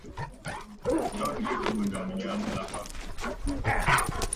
katika maeneo ya Mpwapwa na Dodoma mwaka